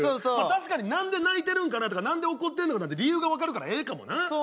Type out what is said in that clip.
確かに何で泣いてるんかなとか何で怒ってんのかなって理由が分かるからええかもな。